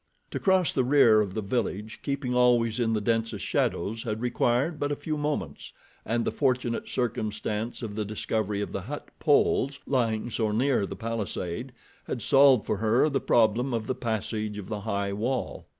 To cross the rear of the village, keeping always in the densest shadows, had required but a few moments, and the fortunate circumstance of the discovery of the hut poles lying so near the palisade had solved for her the problem of the passage of the high wall.